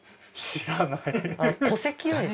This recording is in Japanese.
知らない。